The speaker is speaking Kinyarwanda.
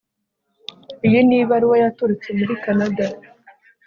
Iyi ni ibaruwa yaturutse muri Kanada